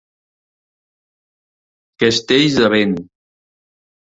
Castells de vent.